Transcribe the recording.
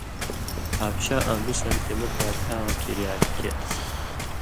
حبشہ آں مصر تے مُت باچھاواں کریا لِکېلَس۔